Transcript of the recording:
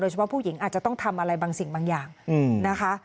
เฉพาะผู้หญิงอาจจะต้องทำอะไรบางสิ่งบางอย่างนะคะ